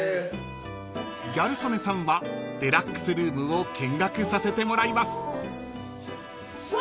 ［ギャル曽根さんはデラックスルームを見学させてもらいます］